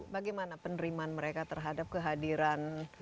bagaimana penerimaan mereka terhadap kehadiran dwk ini